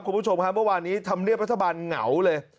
ปะกรุงผู้ชมมากว่านี้ทำเนียดพระทะบารเหงาเลย